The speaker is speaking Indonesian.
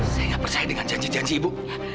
saya nggak percaya dengan janji janji ibu